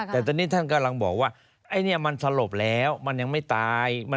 แต่ตอนนี้ท่านกำลังบอกว่าไอ้นี่มันสลบแล้วมันยังไม่ตาย